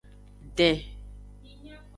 Den.